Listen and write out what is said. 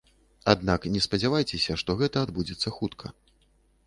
Аднак не спадзявайцеся, што гэта адбудзецца хутка.